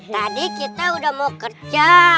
tadi kita udah mau kerja